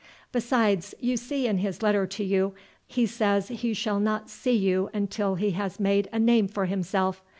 Besides, you see in his letter to you he says he shall not see you until he has made a name for himself.